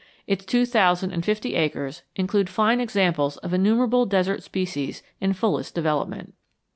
Its two thousand and fifty acres include fine examples of innumerable desert species in fullest development.